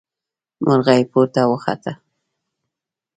مرغۍ پورته وخته.